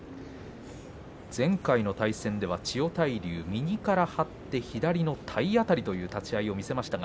前回の対戦では千代大龍右から張って左の体当たりという立ち合いを見せました。